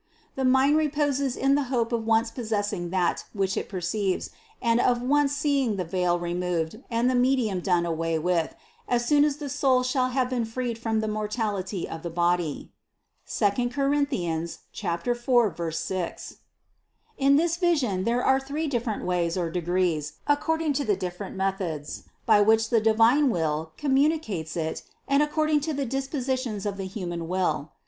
The mind reposes in the hope of once possessing that which it perceives, and of once seeing the veil removed and the medium done away with, as soon as the soul shall have been freed from the mortality of the body (II Cor. 4, 6). 15. In this vision there are three different ways or degrees, according to the different methods, by which the divine Will communicates it and according to the dispo sitions of the human will.